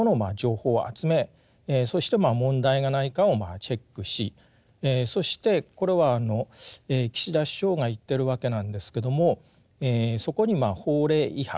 そして問題がないかをチェックしそしてこれは岸田首相が言ってるわけなんですけどもそこに法令違反